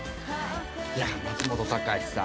松本隆さん